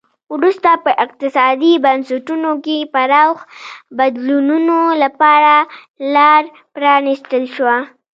وروسته په اقتصادي بنسټونو کې پراخو بدلونونو لپاره لار پرانیستل شوه.